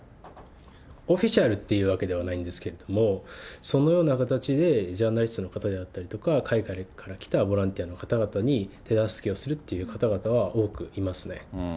オフィシャルっていうわけではないんですけれども、そのような形でジャーナリストの方であったりとか、海外から来たボランティアの方々に、手助けをするっていう方々は多くいますね。